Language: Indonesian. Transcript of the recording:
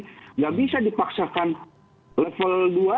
tidak bisa dipaksakan level dua